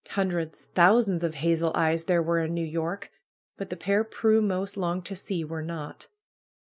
Hundreds, thousands of hazel eyes there were in New York. But the pair Prue most longed to see were not.